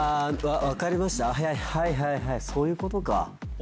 はいはいはいそういうことか。